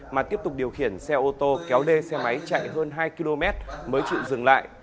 mà tiếp tục điều khiển xe ô tô kéo đê xe máy chạy hơn hai km mới chịu dừng lại